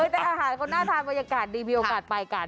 แต่อาหารคนน่าทานบรรยากาศดีมีโอกาสปลายการ